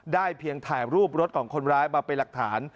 เพียงถ่ายรูปรถของคนร้ายมาเป็นหลักฐาน